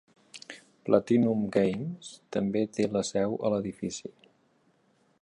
PlatinumGames també té la seu a l'edifici.